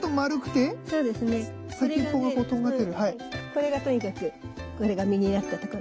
これがとにかく実になったところね。